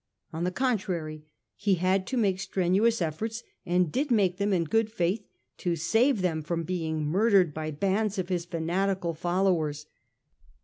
On the contrary, he had to make strenuous efforts, and did make them in good faith, to save them from being murdered by bands of his fanatical fol lowers.